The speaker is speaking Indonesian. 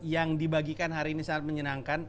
yang dibagikan hari ini sangat menyenangkan